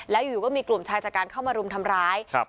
แล้วอยู่ก็มีกลุ่มชายจัดการเข้ามารุมทำร้ายครับ